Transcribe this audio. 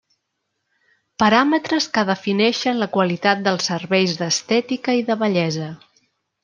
Paràmetres que defineixen la qualitat dels serveis d'estètica i de bellesa.